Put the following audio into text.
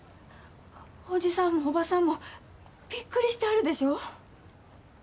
おじさんもおばさんもびっくりしてはるでしょう？